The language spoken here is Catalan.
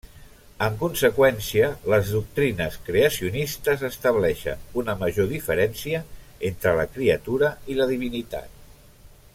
En conseqüència, les doctrines creacionistes estableixen una major diferència entre la criatura i la divinitat.